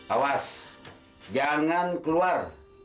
awas jangan keluar